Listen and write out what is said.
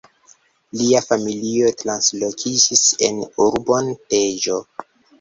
Lia familio translokiĝis en urbon Deĵo.